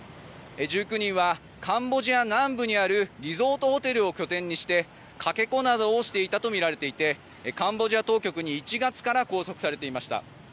１９人はカンボジア南部にあるリゾートホテルを拠点にしてかけ子などをしていたとみられていてカンボジア当局に１月から拘束されていました。